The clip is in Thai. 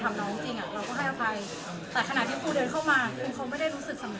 ตาปล่าโรงพยาบาล